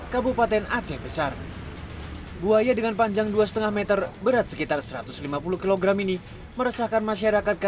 tapi berdasarkan laporan tersebut kita lihat memang bukan butaknya